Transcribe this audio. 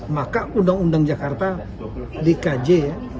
maka undang undang jakarta di kj ya